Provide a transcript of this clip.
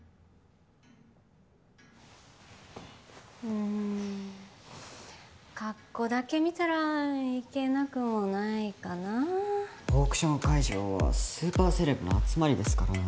うーん格好だけ見たらいけなくもないかなオークション会場はスーパーセレブの集まりですからね